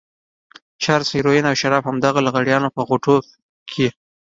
چرس، هيروين او شراب د همدغو لغړیانو په غوټو کې.